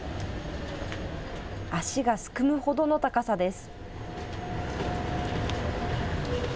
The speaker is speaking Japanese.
足がすくむほどの高さです。